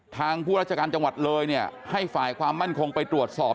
ผู้ราชการจังหวัดเลยเนี่ยให้ฝ่ายความมั่นคงไปตรวจสอบ